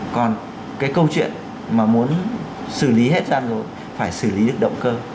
còn cái câu chuyện mà muốn xử lý hết ra rồi phải xử lý được động cơ